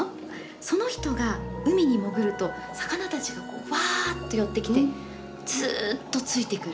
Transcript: その人が海に潜ると魚たちがこうワッと寄ってきてずっとついてくる。